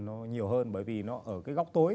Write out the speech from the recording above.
nó nhiều hơn bởi vì nó ở cái góc tối